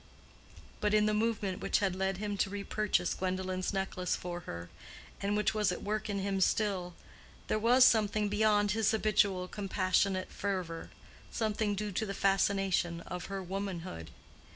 But in the movement which had led him to repurchase Gwendolen's necklace for her, and which was at work in him still, there was something beyond his habitual compassionate fervor—something due to the fascination of her womanhood.